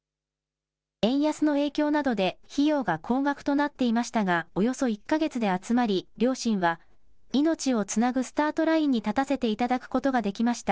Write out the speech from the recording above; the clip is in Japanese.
円安の影響などで費用が高額となっていましたが、およそ１か月で集まり、両親は、命をつなぐスタートラインに立たせていただくことができました。